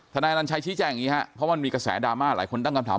นายอนัญชัยชี้แจ้งอย่างนี้ครับเพราะมันมีกระแสดราม่าหลายคนตั้งคำถาม